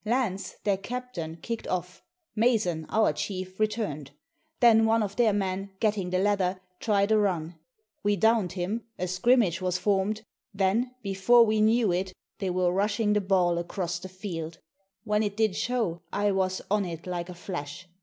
Lance, their captain, kicked off; Mason, our chief, returned. Then one of their men, getting the leather, tried a run. We downed him, a scrimmage was formed, then, before we knew it, they were rushing the ball across the field. When it did show, I was on it like a flash.